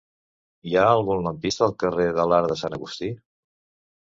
Hi ha algun lampista al carrer de l'Arc de Sant Agustí?